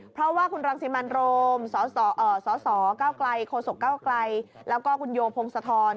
เพราะว่าคุณรังสิมันโรมสสกกแล้วก็คุณโยโพงสะทอน